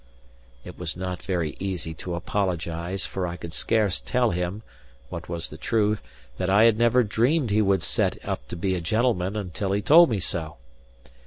It was not very easy to apologise; for I could scarce tell him (what was the truth) that I had never dreamed he would set up to be a gentleman until he told me so.